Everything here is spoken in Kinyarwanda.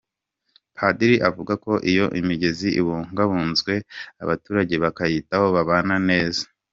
Padiri avuga ko iyo imigezi ibungabunzwe abaturage bakayitaho babana neza.